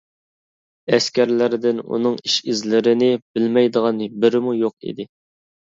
ئەسكەرلەردىن ئۇنىڭ ئىش ئىزلىرىنى بىلمەيدىغان بىرىمۇ يوق ئىدى.